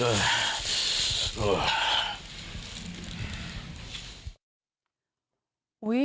โอ้ย